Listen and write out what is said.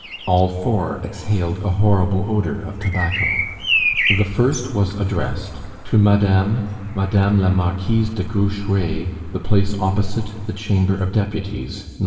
All four exhaled a horrible odor of tobacco. The first was addressed: _"To Madame, Madame la Marquise de Grucheray, the place opposite the Chamber of Deputies, No.